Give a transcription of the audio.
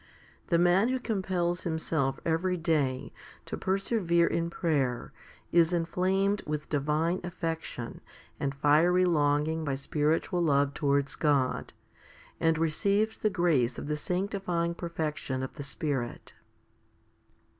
The man who compels himself every day to persevere in prayer is enflamed 1 Or generosity. 261 262 FIFTY SPIRITUAL HOMILIES with divine affection and fiery longing by spiritual love towards God, and receives the grace of the sanctifying perfection of the Spirit.